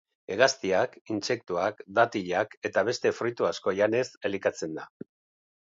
Hegaztiak, intsektuak, datilak eta beste fruitu asko janez elikatzen da.